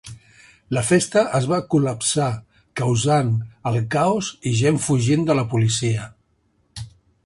La festa es va col·lapsar, causant el caos i gent fugint de la policia.